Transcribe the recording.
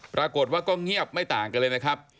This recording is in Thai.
ปรากฏว่าก็เงียบไม่ต่างกันเลยนะครับ